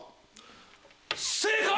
正解！